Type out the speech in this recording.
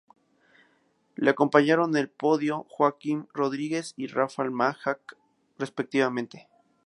Le acompañaron en el podio Joaquim Rodríguez y Rafał Majka, respectivamente.